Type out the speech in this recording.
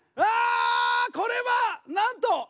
あこれはなんと！